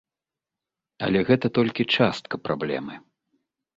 Але гэта толькі частка праблемы.